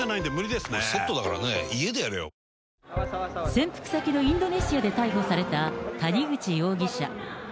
潜伏先のインドネシアで逮捕された谷口容疑者。